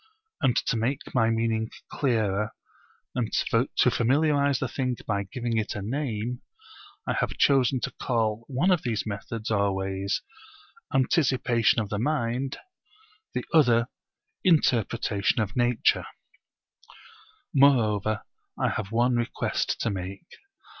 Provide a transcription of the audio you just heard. And to make my meaning clearer and to familiarise the thing by giving it a name, I have chosen to call one of these methods or ways Anticipation of the Mind, the other Interpretation of Nature. Moreover I have one request to make.